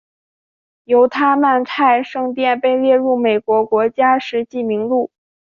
犹他曼泰圣殿被列入美国国家史迹名录。